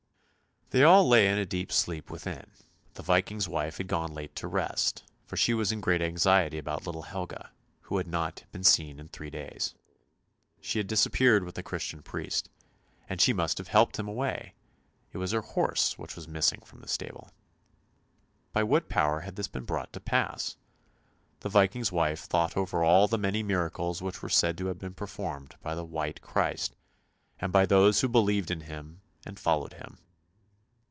They all lay in a deep sleep within; the Viking's wife had gone late to rest, for she was in great anxiety about little Helga, who had not been seen for three days. She had disappeared with the Christian priest, and she must have helped him away; it was her horse which was missing from the stable. By what 3 oo ANDERSEN'S FAIRY TALES power had this been brought to pass ? The Viking's wife thought over all the many miracles which were said to have been per formed by the " White Christ," and by those who believed in Him and followed Him.